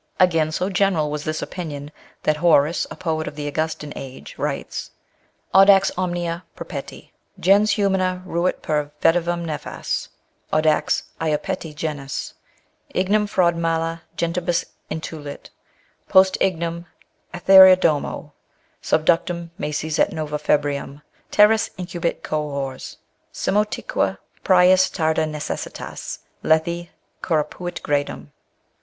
Again, so general was this opinion, that Horace, a poet of the Augustan age, writes : â Audax omnia perpeti. Gens humana ruit per vetitum nefas, Audax lapeti genus Ignem fraude mala gentihus intulit, Post ignem sethere^ domo Suhductum, macies et nova fehrium Terris incuhuit cohors Semotique prius tarda necessitas Lethi corripuit gradum.